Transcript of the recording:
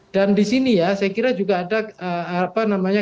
dan di sini ya saya kira juga ada apa namanya